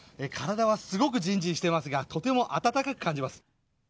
体はすごくジンジンしていますがとても暖かく感じます。